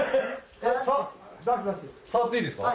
触っていいですか？